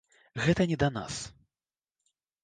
Гэта не да нас.